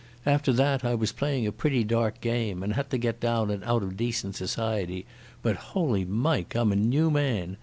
After that I was playing a pretty dark game, and had to get down and out of decent society. But, holy Mike! I'm a new man.